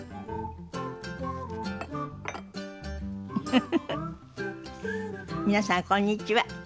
フフフフ皆さんこんにちは。